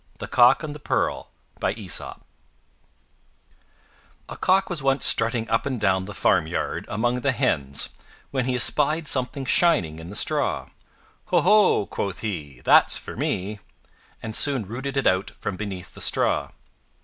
THE COCK AND THE PEARL A cock was once strutting up and down the farmyard among the hens when suddenly he espied something shining and the straw. "Ho! ho!" quoth he, "that's for me," and soon rooted it out from beneath the straw.